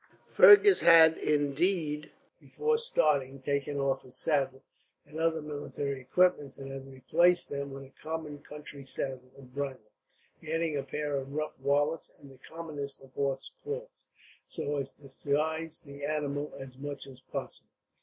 Fergus had indeed, before starting, taken off his saddle and other military equipments; and had replaced them with a common country saddle and bridle, adding a pair of rough wallets and the commonest of horse cloths, so as to disguise the animal as much as possible.